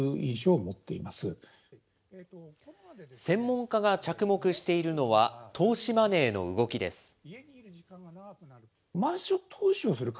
専門家が着目しているのは、投資マネーの動きです。